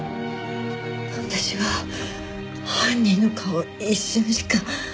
私は犯人の顔を一瞬しか。